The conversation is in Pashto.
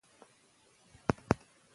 هغه غوښتل خپل اولس له ذلت څخه وژغوري.